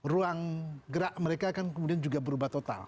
ruang gerak mereka kan kemudian juga berubah total